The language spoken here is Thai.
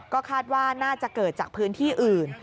ก็คาดว่าน่าจะเกิดจากพื้นที่อื่น